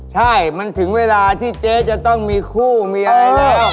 ใช่มันถึงเวลาที่เจ๊จะต้องมีคู่มีอะไรแล้ว